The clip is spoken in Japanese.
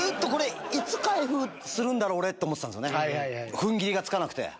踏ん切りがつかなくて。